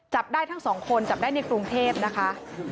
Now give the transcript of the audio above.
จับได้ทั้งสองคนจับได้ในกรุงเทพนะคะ